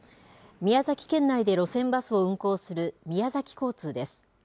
宮崎県内で路線バスを運行する宮崎交通です。